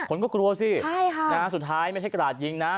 คนก็กลัวสิใช่ค่ะนะฮะสุดท้ายไม่ใช่กราดยิงนะ